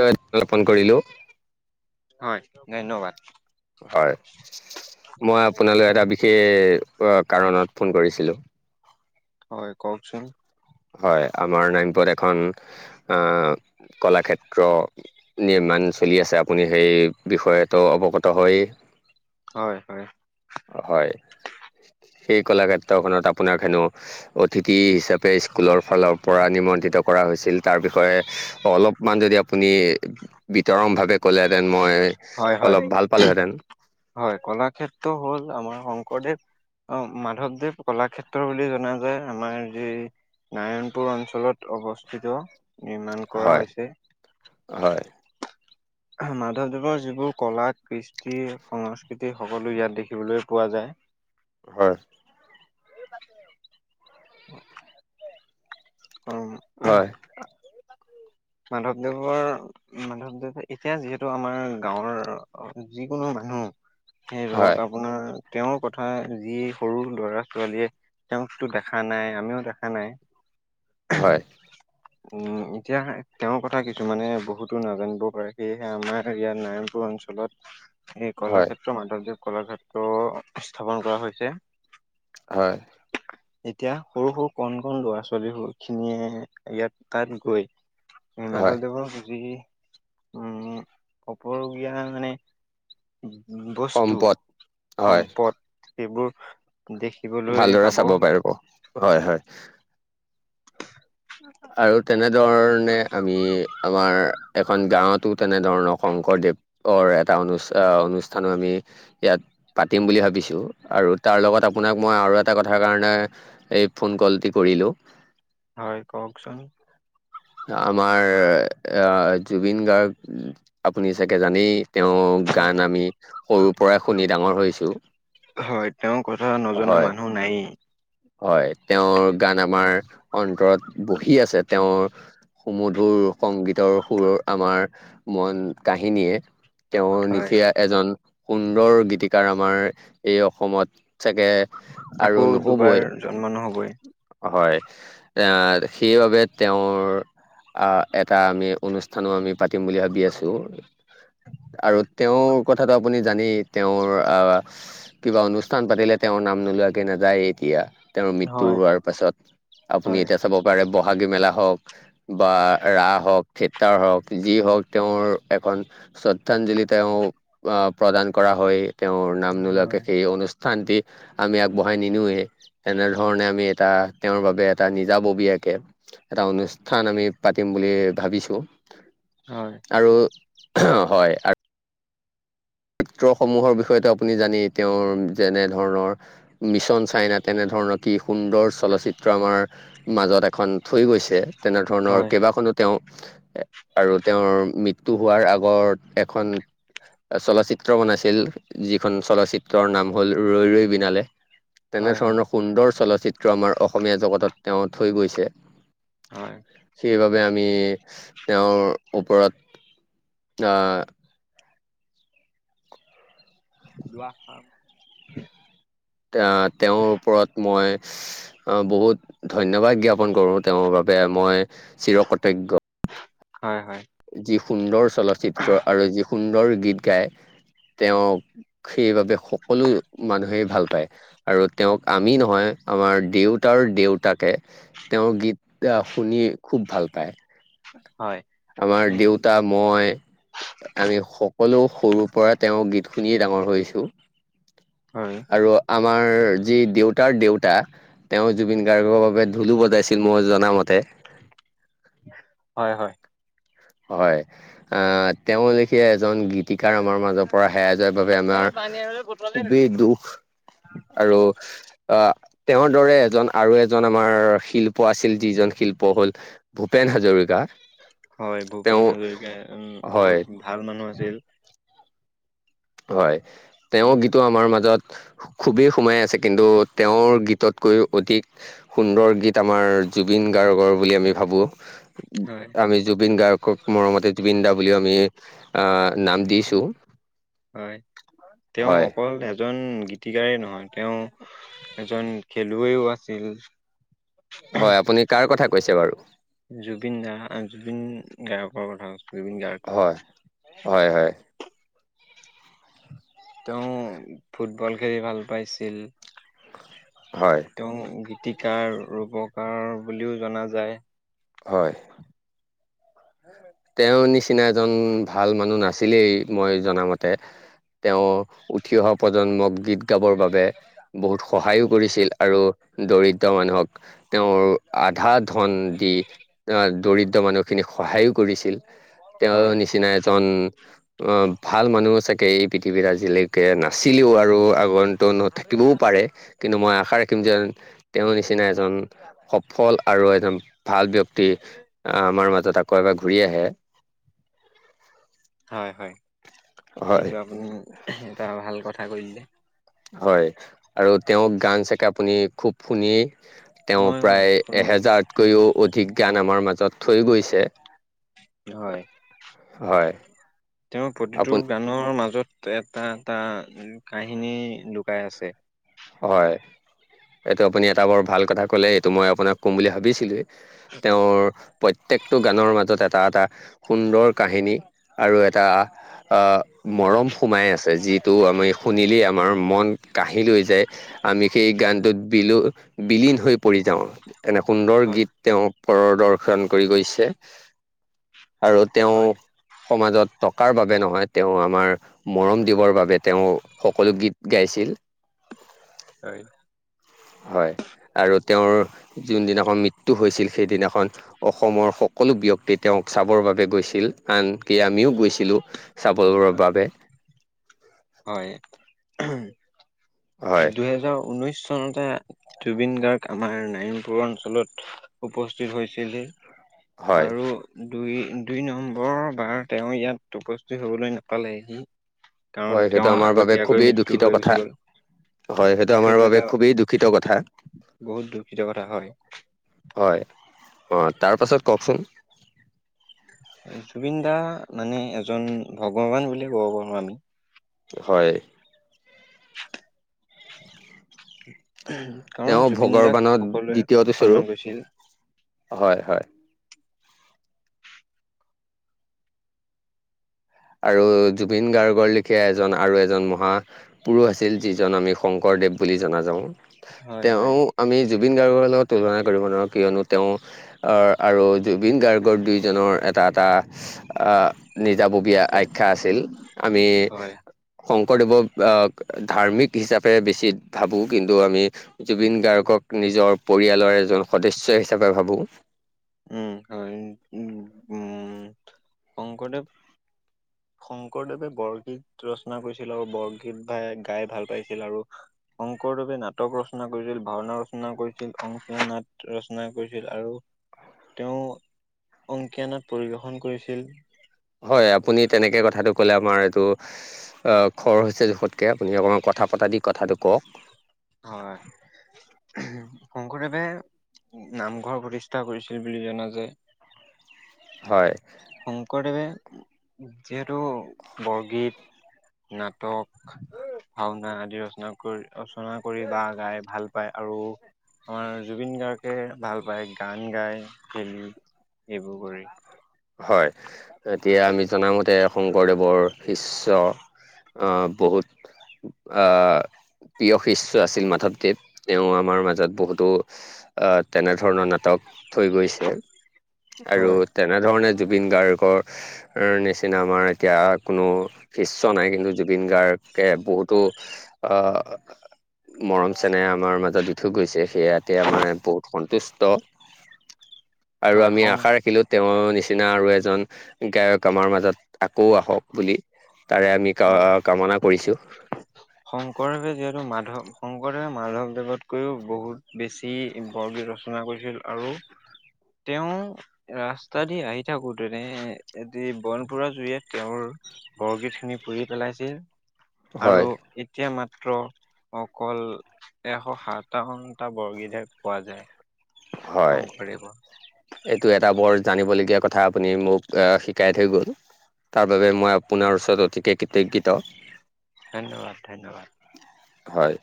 [unintelligible] Phone কৰিলো। হয় ধন্যবাদ। হয়, মই আপোনালৈ এটা বিশেষ কাৰণত ফোন কৰিছিলো। হয়, কওকচোন। হয়, আমাৰ এখন অ কলাক্ষেত্ৰ নিৰ্মাণ চলি আছে আপুনি সেই বিষয়টো টো অৱগত হয়েই। হয়, হয়। হয়, সেই কলাক্ষেত্ৰখনত আপোনাৰ হেনো অতিথি হিচাপে স্কুলৰ ফালৰ পৰা নিমন্ত্ৰিত কৰা হৈছিল, তাৰ বিষয়ে অলপ মান যদি আপুনি বিতৰম ভাৱে ক'লে হে'তেন মই হয় হয় অলপ ভাল পালো হে'তেন। হয়। কলাক্ষেত্ৰ হ'ল আমাৰ শংকৰদেৱ অ মাধৱদেৱ কলাক্ষেত্ৰ বুলি জনা যায় আমাৰ যি নাৰায়ণপুৰ অঞ্চলত অৱস্থিত নিৰ্মাণ কৰা হয় হৈছে, হয় মাধৱদেৱৰ যিবোৰ কলা কৃষ্টি সংস্কৃতি সকলো ইয়াত দেখিবলৈ পোৱা যায় হয়। [unintelligible] [inaudible] [unintelligible] হয়। মাধৱদেৱৰ মাধৱদৱ, এতিয়া যিহেতু আমাৰ গাঁৱৰ যিকোনো মানুহ সেই হয় ধৰক আপোনাৰ তেওঁৰ কথা যি সৰু লৰা ছোৱালীয়ে তেওঁকতো দেখা নাই আমিও দেখা নাই। হয় উম এতিয়া তেওঁৰ কথা কিছুমানে বহুতো নাজানিব পাৰে সেয়েহে আমাৰ ইয়াত নাৰায়ণপুৰ অঞ্চলত এই হয় কলাক্ষেত্ৰ মাধৱদেৱ কলাক্ষেত্ৰ স্থাপন কৰা হৈছে। হয়। এতিয়া সৰু সৰু কণ কন ল'ৰা ছোৱালী খিনিয়ে ইয়াত তাত গৈ হয় মাধৱদেৱৰ যি উম অপৰুগীয়া মানে বস্তুু, সম্পদ হয় সম্পদ সেইবোৰ দেখি ভালদৰে চাব পাৰিব হয় হয়। আৰু তেনেধৰণে আমি আমাৰ এখন গাঁৱতো তেনেধৰণৰ শংকৰদেৱ অৰ এটা অনু অনুষ্ঠানো আমি ইয়াত পাতিম বুলি ভাবিছোঁ আৰু তাৰ লগত আপোনাক মই আৰু এটা কথাৰ কাৰণে এই ফোন কলটি কৰিলোঁ হয় কওকচোন। আমাৰ জুবিন গাৰ্গ আপুনি চাগে জানেই। তেওঁ হয় গান আমি সৰুৰ পৰাই শুনি ডাঙৰ হৈছো। হয় তেওৰ কথা নজনা মানুহ নায়েই। হয় তেওৰ গান আমাৰ অন্তৰত বহি আছে তেওৰ সুমধুৰ সংগীতৰ সুৰ আমাৰ মন কাহিনীয়ে তেও হয় নিশীয়া এজন সুন্দৰ গীতিকাৰ আমাৰ এই অসমত চাগে আৰু আকৌ নহ'বই দুবাৰ জন্ম নহবএ। হয় এ সেইবাবে তেওৰ আহ এটা আমি অনুষ্ঠানো আমি পাতিম বুলি ভাবি আছোঁ। আৰু তেওঁৰ কথাটো আপুনি জানেই তেওঁৰ আহ কিবা অনুষ্ঠান পাতিলে তেওঁৰ নাম নোলোৱাকে নাযায়ে এতিয়া। তেওঁৰ মৃত্যু হয় হোৱাৰ পাছত আপুনি হয় এতিয়া চাব পাৰে বহাগী মেলা হওঁক বা ৰাস হওঁক, থিয়েটাৰ হওঁক, যি হওঁক, তেওঁৰ এখন শ্ৰদ্ধাঞ্জলি তেওঁ আহ প্ৰদান কৰা হয়। তেওঁৰ নাম নোলোৱাকে হয় সেই অনুষ্ঠানটি আমি আগবঢ়াই নিনোওৱেই। তেনেধৰণে আমি এটা তেওঁৰ বাবে এটা নিজা ববীয়াকে এটা অনুষ্ঠান আমি পাতিম বুলি ভাবিছোঁ। হয়। আৰু অ' হয় আৰু দ্ৰুতসমূহৰ বিষয়টো আপুনি জানেই তেওঁৰ যেনে ধৰণৰ মিছন চাইনা তেনেধৰণৰ কি সুন্দৰ চলচিত্ৰ আমাৰ মাজত এখন থৈ গৈছে, তেনে ধৰণৰ হয় কেইবাখনোত তেওঁ আৰু তেওঁৰ মৃত্যু হোৱাৰ আগত এখন চলচ্চিত্ৰ বনাইছিল, যিখন চলচ্চিত্ৰ নাম হ'ল ৰৈ ৰৈ বিনালে। হয় তেনেধৰণৰ সুন্দৰ চলচ্চিত্ৰ আমাৰ অসমীয়া জগতত তেওঁ থৈ গৈছে। হয়। সেইবাবে আমি তেওঁৰ ওপৰত অ' দুআষাৰ আহ' তেওঁৰ ওপৰত মই আহ' বহুত ধন্যবাদ জ্ঞাপন কৰোঁ। তেওঁৰ বাবে মই চিৰ কৃতজ্ঞ। হয় হয়। যি সুন্দৰ চলচিত্ৰ আৰু যি সুন্দৰ গীত গায় তেওঁক সেইবাবে সকলো মানুহে ভাল পায়। আৰু তেওঁক আমি নহয়, আমাৰ দেউতাৰ দেউতাকে তেওঁৰ গীত শুনি খুব ভাল পায়। হয়। আমাৰ উম দেউতা মই আমি সকলো সৰুৰ পৰা তেওঁ গীত শুনিয়েই ডাঙৰ হৈছোঁ। হয়। আৰু আমাৰ যি দেউতাৰ দেউতা তেওঁ জুবিন গাৰ্গৰ বাবে ঢোলো বজাইছিল মই জনামতে। হয় হয়। হয়। আহ' তেওঁ লেখীয়া এজন গীতিকাৰ আমাৰ মাজৰ পৰা হেৰাই যোৱাৰ বাবে আমাৰ খুবেই দুুখ আৰু আহ' তেওঁৰ দৰে এজন আৰু এজন আমাৰ শিল্প আছিল, যিজন শিল্প হ'ল ভূপেন হাজৰিকা। হয়, ভূপেন তেওঁ হাজৰিকা উম' হয় বহুত ভাল মানুহ আছিল। হয় তেওঁ গীতো আমাৰ মাজত খুবেই সোমাই আছে, কিন্তু তেওঁৰ গীতত কৈ অধিক সুন্দৰ গীত আমাৰ জুবিন গাৰ্গৰ বুলি আমি ভাবোঁ। হয়। আমি জুবিন গাৰ্গক মৰমতে জুবিন দা বুলি আমি আহ নাম দিছোঁ। হয় তেওঁ অকল [unintelligible] জন গীতিকাৰেই নহয় তেওঁ এজন খেলুৱৈও আছিল। হয় আপুনি কাৰ কথা কৈছে বাৰু? জুবিন দা, জুবিন গাৰ্গৰ কথা কৈছোঁ। হয়, হয় হয়। তেওঁ ফুটবল খেলি ভাল পাইছিল। হয়। তেওঁ গীতিকাৰ, ৰূপকাৰ বুলিও জনা যায়। হয়। তেওঁৰ নিচিনা এজন ভাল মানুহ নাছিলেই মই জনামতে। তেওঁ উঠি অহা প্ৰজন্মক গীত গাবৰ বাবে বহুত সহায়ো কৰিছিল আৰু দৰিদ্ৰ মানুহক তেওঁৰ আধা ধন দি আ দৰিদ্ৰ মানুহখিনিক সহায়ো কৰিছিল তেওঁৰ হয়। নিচিনা এজন অ ভাল মানুহ চাগে এই পৃথিৱীত আজিলৈকে নাছিলেও আৰু আগন্তনত থাকিবও পাৰে। কিন্তু মই আশা ৰাখিম যে তেওঁৰ নিচিনা এজন সফল আৰু একদম ভাল ব্যক্তি আহ' আমাৰ মাজত আকৌ' এবাৰ ঘূৰি আহে। হয়, হয় হয় কিন্তু আপুনি এহ এটা ভাল কথা কৰিলে। হয় আৰু তেওঁক গান সেকে আপুনি খুব শুনি তেওঁ মই প্ৰায় শুনো এহেজাৰতকৈও অধিক গান আমাৰ মাজত থৈ গৈছে। হয়, হয় তেওঁ প্ৰতিটো আপুনি গা নৰ মাজত এটা এটা কাহিনী লুকাই আছে। হয়, এইটো আপুনি এটা বৰ ভাল কথা ক'লে এইটো মই আপোনাক কম বুলি ভাবিছিলোৱে। তেওঁৰ প্ৰত্যেকটো গানৰ মাজত এটা এটা সুন্দৰ কাহিনী আৰু এটা আ, মৰম সোমাই আছে যিটো আমি শুনিলেই আমাৰ মন কাহি লৈ যায়। আমি সেই গানটোত বিলু বিলীন হৈ পৰি যাওঁ এনে সুন্দৰ হয়। গীত তেওঁ প্ৰদৰ্শন কৰি গৈছে আৰু তেওঁ হয়, সমাজত টকাৰ বাবে নহয় তেওঁ আমাৰ মৰম দিবৰ বাবে তেওঁ সকলো গীত গাইছিল। হয়। হয় আৰু তেওঁৰ যোনদিনাখন মৃত্যু হৈছিল সেইদিনাখন অসমৰ সকলো ব্যক্তি তেওঁক চাবৰ বাবে গৈছিল আনকি আমিও গৈছিলোঁ চাবৰ বাবে। হয় উহ হয় দুহেজাৰ ঊনৈশ চনতে জুবিন গাৰ্গ আমাৰ নাইনপুৰ অঞ্চলত উপস্থিত হৈছিলহি। হয় আৰু দুই দুই নম্বৰৰ বাৰ তেওঁ ইয়াত উপস্থিত হবলৈ নাপালেহি। কাৰণ হয় সেইটো তেওঁৰ আমাৰ বাবে আগতীয়াকৈ খুবেই মৃত্যু দূষিত হৈ গুচি কথা। গ'ল। হয় সেইটো আমাৰ বাবে খুবেই দূষিত কথা। বহুত দুখিত কথা হয়। হয়, অ', তাৰ পাছত কওঁকচোন? জুবিন দা মানে এজন ভগৱান বুলিয়ে কওঁ আমি। হয়। উহ কাৰণ তেওঁ জুবিন দাক ভগৱানৰ সকলোৱে দ্বিতীয়টো স্বৰূপ সন্মান কৰিছিল। হয়, হয়। আৰু জুবিন গাৰ্গৰ লিখীয়ে এজন আৰু এজন মহা গুৰু আছিল যিজন আমি শংকৰদেৱ বুলি জনা যাওঁ। হয় তেওঁ হয় আমি জুবিন গাৰ্গৰ লগত তুলনা কৰিব নোৱাৰো। কিয়নো তেওঁ আ, আৰু জুবিন গাৰ্গৰ দুইজনৰ এটা এটা আ, নিজাববী আখ্যা আছিল। আমি হয় শংকৰদেৱক আ ধাৰ্মিক হিচাপে আমি বেছি ভাবোঁ। কিন্তু আমি জুবিন গাৰ্গক নিজৰ পৰিয়ালৰ এজন সদস্য হিচাপে ভাবোঁ। উম, হয়, উম, উম, শংকৰদেৱ শংকৰদেৱে বৰগীত ৰচনা কৰিছিল আৰু বৰগীত ভাই গাই ভাল পাইছিল, আৰু শংকৰদেৱে নাটক ৰচনা কৰিছিল, ভাওনা ৰচনা কৰিছিল, অংকীয়া নাট ৰচনা কৰিছিল, আৰু তেওঁ অংকীয়া নাট পৰিৱেশন কৰিছিল। হয় আপুনি তেনেকে কথাটো ক'লে আমাৰ এইটো আ, খৰ হৈছে জোখতকে, আপুনি অকণমান কথা পতাদি কথাটো কওঁক। হয়। শংকৰদেৱে নামঘৰ প্ৰতিষ্ঠা কৰিছিল বুলি জনা যায়। হয়। শংকৰদেৱে যিহেতু বৰগীত নাটক, ভাওনা আদি ৰচনা কৰি ৰচনা কৰি বা গাই ভাল পায়। আৰু আমাৰ জুবিন গাৰ্গে ভাল পায় গান গাই খেলি এইবোৰ কৰি। হয়। এতিয়া আমি জনামতে শংকৰদেৱৰ শিষ্য অ', বহুত। আহ প্ৰিয় শিষ্য আছিল মাধৱদেৱ, তেওঁ আমাৰ মাজত বহুতো আহ তেনেধৰণৰ নাটক থৈ গৈছে। আৰু হয় তে এনেধৰণে জুবিন গাৰ্গৰ নিচিনা আমাৰ এতিয়া কোনো শিষ্য নাই, কিন্তু জুবিন গাৰ্গে বহুতো আহ মৰম চেনেহ আমাৰ মাজত দি থৈ গৈছে, সেয়াতে আমাৰ বহুত সন্তুষ্ট। আৰু হয় আমি শং আশা ৰাখিলো তেওঁৰ নিচিনা আৰু এজন গায়ক আমাৰ মাজত আকৌ আহক বুলি তাৰে আমি কা হয় অ কামনা কৰিছোঁ। শংকৰদেৱে যিহেতু মাধৱ শংকৰদেৱে মাধৱদেৱতকৈও বহুত বেছি যি বৰগীত ৰচনা কৰিছিল, আৰু তেওঁ ৰাস্তা দি আহি থাকোতেনে এদিন বন পোৰা জুই তেওঁৰ বৰগীত খিনি পুৰি পেলাইছিল। আৰু হয় এতিয়া মাত্ৰ অকল এশ সাতাৱন্নটা বৰগীতহে পোৱা যায়। হয়। শংকৰদেৱৰ এইটো এটা বৰ জানিবলগীয়া কথা আপুনি মোক এ শিকাই থৈ গ'ল। তাৰ বাবে মই আপোনাৰ ওচৰত অতিকে কৃতজ্ঞত। ধন্যবাদ ধন্যবাদ। হয়।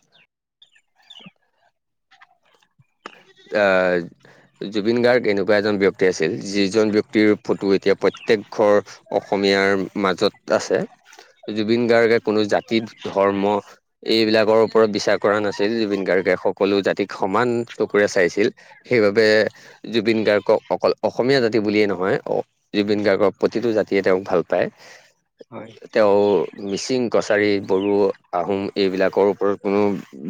আহ জুবিন গাৰ্গ এনেকুৱা এজন ব্যক্তি আছিল, যিজন ব্যক্তি ক্তিৰ ফটো এতিয়া প্ৰত্যেক ঘৰ অসমীয়াৰ মাজত আছে। জুবিন গাৰ্গে কোনো জাতি ধৰ্ম এইবিলাকৰ ওপৰত বিচাৰ কৰা নাছিল, জুবিন গাৰ্গে সকলো জাতিক সমান চকুৰে চাইছিল। সেইবাবে জুবিন গাৰ্গক অকল অসমীয়া জাতি বুলিয়ে নহয়, অ জুবিন গাৰ্গৰ প্ৰতিটো জাতিয়ে তেওঁক ভাল পায়। হয় তেওঁ মিচিং, কছাৰী, বড়ো, আহোম এইবিলাকৰ ওপৰত কোনো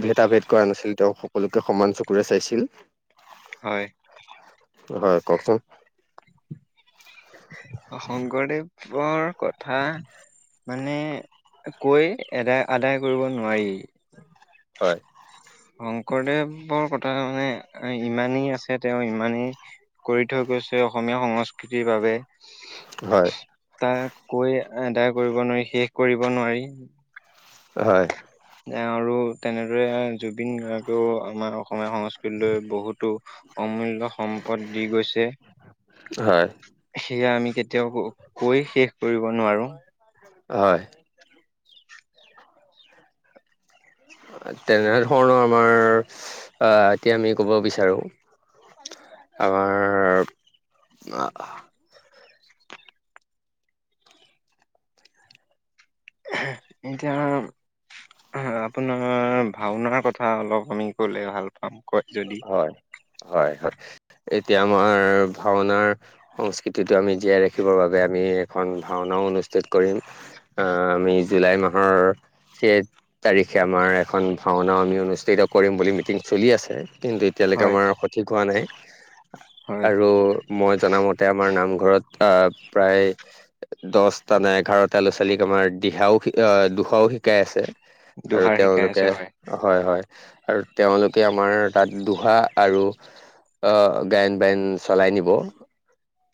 ভেদাভেদ কৰা নাছিল তেওঁ সকলোকে সমান চকুৰে চাইছিল। হয়। হয় কওকচোন। শংকৰদেৱৰ কথা মানে কৈ এদায় আদায় কৰিব নোৱাৰি। হয়। শংকৰদেৱৰ কথা মানে ইমানেই আছে তেওঁ ইমানেই কৰি থৈ গৈছে অসমীয়া সংস্কৃতিৰ বাবে হয়। তাক কৈ আদায় কৰিব নোৱাৰি শেষ কৰিব নোৱাৰি। হয়। আৰু তেনেদৰে জুবিন গাৰ্গেও আমাৰ অসমীয়া সংস্কৃতি লৈ বহুতো অমূল্যয় সম্পদ দি গৈছে, হয়, সেয়া আমি কেতি ৱাও কৈ শেষ কৰিব নোৱাৰোঁ। হয়। তেনেধৰণৰ আমাৰ আ এতিয়া আমি ক'ব বিচাৰোঁ আমাৰ এতিয়া আপোনাৰ ভাওনাৰ কথা অলপ আমি কলে ভাল পাম। কয় যদি হয় হয় হয় এতিয়া আমাৰ ভাওনাৰ সংস্কৃতিটো আমি জীয়াই ৰাখিবৰ বাবে আমি এখন ভাওনাও অনুষ্ঠিত কৰিম। আ আমি জুলাই মাহৰ সেই তাৰিখে আমাৰ এখন ভাওনাও আমি অনুষ্ঠিত কৰিম বুলি মিটিং চলি আছে। কিন্তু এতিয়ালৈকে হয় আমাৰ সঠিক হোৱা নাই, হয় আৰু মই জনামতে আমাৰ নামঘৰত আহ প্ৰায় দহটা নে এঘাৰটা ল'ৰা-ছোৱালীক আমাৰ দিহাও আহ দিখৌ শিকাই আছে। আৰু দোহাৰ শিকাই আছে তেওঁলোকে হয় হয়, আৰু তেওঁলোকে আমাৰ তাত দুহা আৰু অ গায়ন-বায়ন চলাই নিব।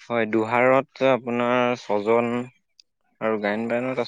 হয় দূহৰত আপোনাৰ ছজন আৰু গায়ন-বায়নত আছ